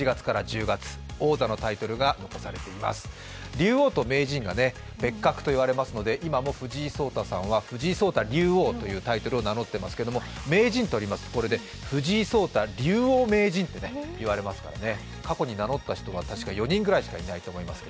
竜王と名人が別格といわれますので今も藤井聡太さんは藤井聡太竜王というタイトルを名乗っていますけれども名人をとりますと、これで藤井聡太竜王名人となりますので、過去に名乗った人は確か４人ぐらいしかいないと思います。